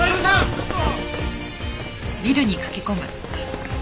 ちょっと！